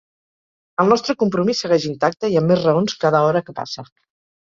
El nostre compromís segueix intacte i amb més raons cada hora que passa.